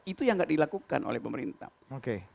itu yang tidak dilakukan oleh pemerintah